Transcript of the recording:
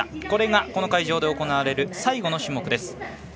これがこの会場で行われる最後の種目です。